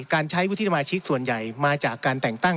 การใช้วุฒิสมาชิกส่วนใหญ่มาจากการแต่งตั้ง